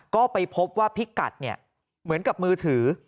ก็ไปพบว่าพิกัดเนี่ยเหมือนกับมือถือ